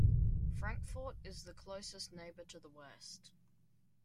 Frankfort is the closest neighbor to the west.